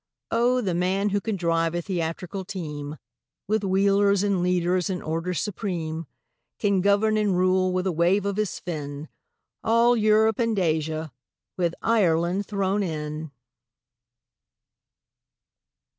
Oh, the man who can drive a theatrical team, With wheelers and leaders in order supreme, Can govern and rule, with a wave of his fin, All Europe and Asia—with Ireland thrown in!